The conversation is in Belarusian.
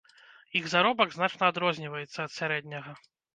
Іх заробак значна адрозніваецца ад сярэдняга.